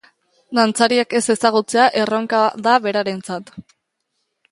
Dantzariak ez ezagutzea erronka da berarentzat.